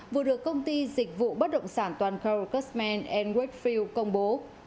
vừa được công ty dịch vụ bất động sản toàn cơ custman wakefield công bố